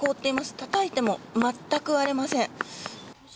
たたいても全く割れません。